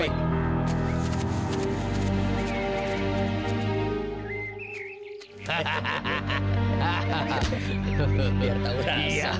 biar tahu rasa mereka